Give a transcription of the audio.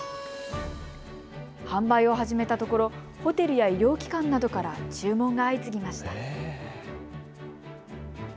販売を始めたところホテルや医療機関などから注文が相次ぎました。